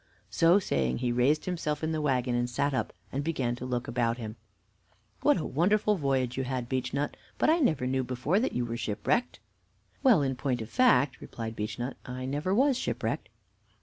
So saying, he raised himself in the wagon and sat up, and began to look about him. "What a wonderful voyage you had, Beechnut!" said Phonny. "But I never knew before that you were shipwrecked." "Well, in point of fact," replied Beechnut, "I never was shipwrecked."